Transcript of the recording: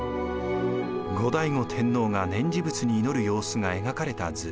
後醍醐天皇が念持仏に祈る様子が描かれた図。